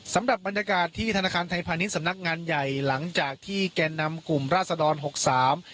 สำหรับบรรยากาศที่ธนาคารไทยพาณิชย์สำนักงานใหญ่หลังจากที่แก่นำกลุ่มราศดรหกสาม